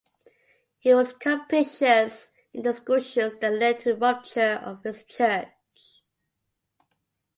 He was conspicuous in the discussions that led to a rupture of his church.